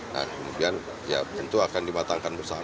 nah kemudian ya tentu akan dibatangkan bersama